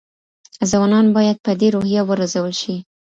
ځوانان باید په دې روحیه وروزل شي.